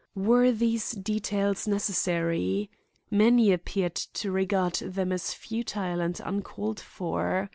Were these details necessary? Many appeared to regard them as futile and uncalled for.